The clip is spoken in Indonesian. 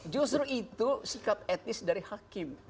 justru itu sikap etis dari hakim